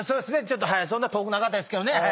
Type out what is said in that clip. ちょっとそんな遠くなかったですけどね。